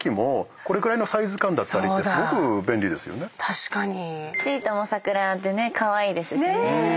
確かに。